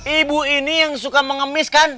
ibu ini yang suka mengemis kan